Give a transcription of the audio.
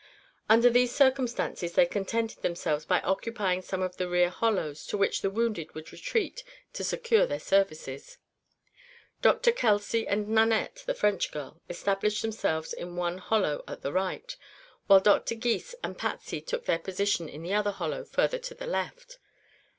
Under these circumstances they contented themselves by occupying some of the rear hollows, to which the wounded would retreat to secure their services. Dr. Kelsey and Nanette, the French girl, established themselves in one hollow at the right, while Dr. Gys and Patsy took their position in another hollow further to the left.